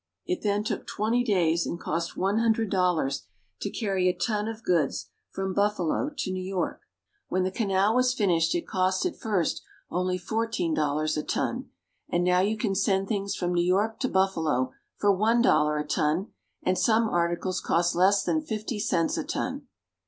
It then took twenty days and cost one hundred dollars to carry a ton of goods from Buffalo to New York. When the 194 THE GREAT LAKES. canal was finished it cost at first only fourteen dollars a ton ; and now you can send things from New York to Buffalo for one dollar a ton, and some articles cost less than fifty cents a ton.